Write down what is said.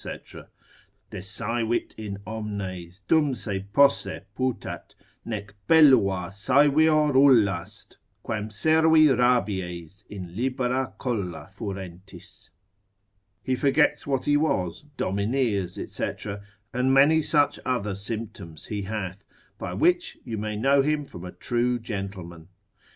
———desaevit in omnes Dum se posse putat, nec bellua saevior ulla est, Quam servi rabies in libera colla furentis; he forgets what he was, domineers, &c., and many such other symptoms he hath, by which you may know him from a true gentleman.